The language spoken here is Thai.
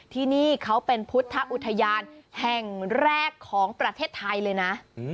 ที่นี่เขาเป็นพุทธอุทยานแห่งแรกของประเทศไทยเลยนะ